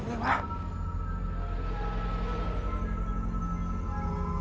อะไรวะ